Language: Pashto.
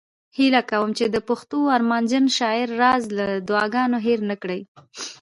هیله کوم چې د پښتنو ارمانجن شاعر راز له دعاګانو هیر نه کړي